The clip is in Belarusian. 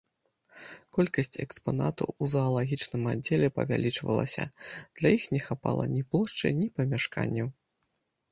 Колькасць экспанатаў у заалагічным аддзеле павялічвалася, для іх не хапала ні плошчы, ні памяшканняў.